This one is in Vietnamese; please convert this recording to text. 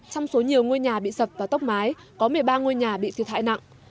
trong số nhiều ngôi nhà bị sập và tốc mái có một mươi ba ngôi nhà bị thiệt hại nặng